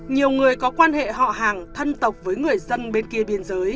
nhiều người có quan hệ họ hàng thân tộc với người dân bên kia biên giới